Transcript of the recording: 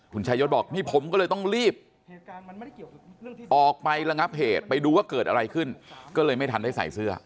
คุณชายศบอกนี่ผมก็เลยต้องรีบออกไประงับเหตุไปดูว่าเกิดอะไรขึ้นก็เลยไม่ทันได้ใส่เสื้อ